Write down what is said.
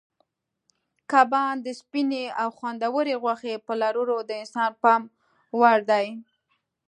کبان د سپینې او خوندورې غوښې په لرلو د انسان پام وړ دي.